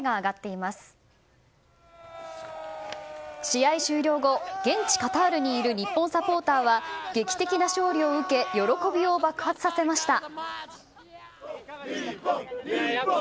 試合終了後、現地カタールにいる日本サポーターは劇的な勝利を受け喜びを爆発させました。